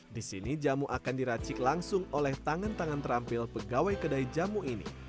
di sini jamu akan diracik langsung oleh tangan tangan terampil pegawai kedai jamu ini